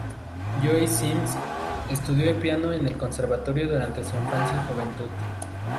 Joyce Sims estudió piano en el conservatorio durante su infancia y juventud.